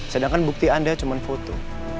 sedangkan bukti anda cuma foto